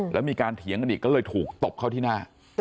แล้วมีการเถียงกันอีกก็เลยถูกตบเข้าที่หน้า